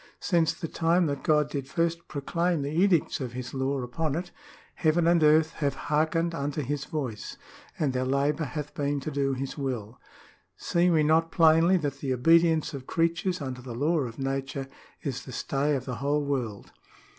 ... Since the time that God did first proclaim the edicts of his law upon it, heaven and earth have hearkened unto his voice, and their labour hath been to do his will. ... See we not plainly that the obedience of creatures unto the law of nature is the stay of the whole world."